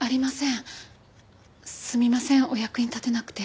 すみませんお役に立てなくて。